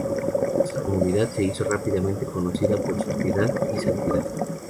Esta comunidad se hizo rápidamente conocida por su piedad y santidad.